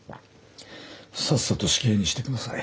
さっさと死刑にしてください。